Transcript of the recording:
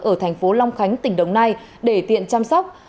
ở thành phố long khánh tỉnh đồng nai để tiện chăm sóc